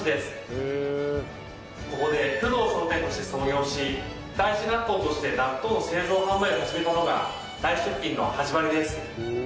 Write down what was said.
ここで工藤商店として創業し太子納豆として納豆の製造販売を始めた事が太子食品の始まりです。